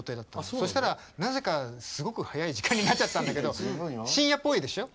そしたらなぜかすごく早い時間になっちゃったんだけど深夜っぽいでしょ。